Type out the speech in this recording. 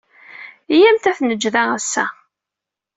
Iyyamt ad t-neǧǧ da ass-a.